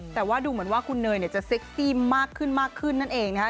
แต่ว่าดูเหมือนว่าคุณเนยจะเซ็กซี่มากขึ้นนั่นเองนะครับ